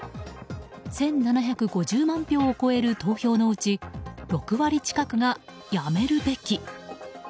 １７５０万票を超える投票のうち６割近くが、辞めるべき。